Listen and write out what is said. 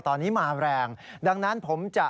ตอนนี้มาแรงดังนั้นผมจะ